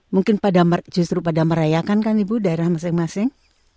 mungkin justru pada merayakan kan ibu daerah masing masing